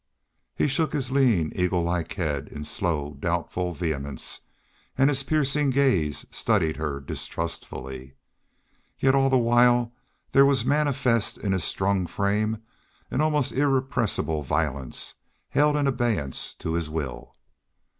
He shook his lean, eagle like head in slow, doubtful vehemence, and his piercing gaze studied her distrustfully. Yet all the while there was manifest in his strung frame an almost irrepressible violence, held in abeyance to his will.